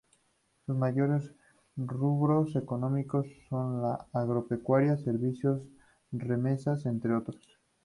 Sus mayores rubros económicos son la agropecuaria, servicios, remesas, entre otros.